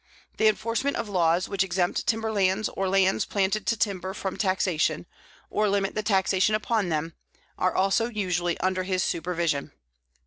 The enforcement of laws which exempt timberlands or lands planted to timber from taxation, or limit the taxation upon them, are also usually under his supervision.